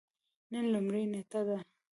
نن لومړۍ نیټه ده